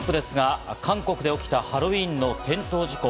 韓国で起きたハロウィーンの転倒事故。